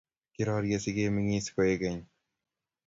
kirorie sikemengis koekeny